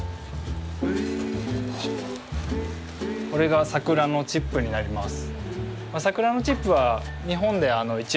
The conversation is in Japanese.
これがサクラのチップになります。